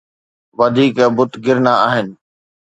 وڌيڪ بت گرڻا آهن.